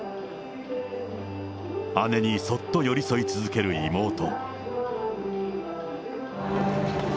姉にそっと寄り添い続ける妹。